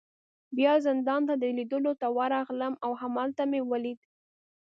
بیا زندان ته د ده لیدو ته ورغلم، او هلته مې ولید.